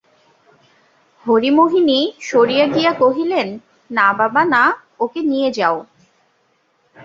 হরিমোহিনী সরিয়া গিয়া কহিলেন, না বাবা, না, ওকে নিয়ে যাও।